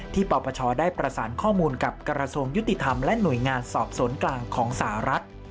ปปชได้ประสานข้อมูลกับกระทรวงยุติธรรมและหน่วยงานสอบสวนกลางของสหรัฐ